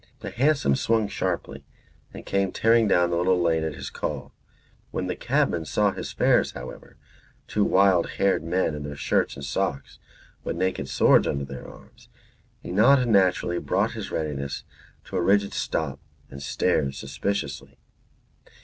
The hansom swung sharply and came tearing down the little lane at his call. When the cabman saw his fares, however, two wild haired men in their shirts and socks with naked swords under their arms, he not unnaturally brought his readiness to a rigid stop and stared suspiciously.